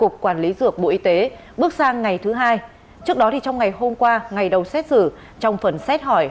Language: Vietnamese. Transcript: trước đó trong ngày hôm qua ngày đầu xét xử trong phần xét hỏi